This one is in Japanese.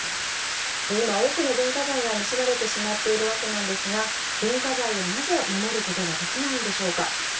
今、多くの文化財が盗まれてしまっているわけですが文化財を、なぜ守ることができないんでしょうか。